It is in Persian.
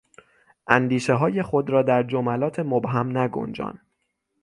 اندیشههای خود را در جملات مبهم نگنجان!